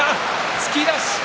突き出し。